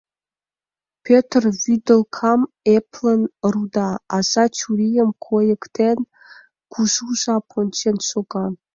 Пӧтыр вӱдылкам эплын руда, аза чурийым койыктен, кужу жап ончен шога.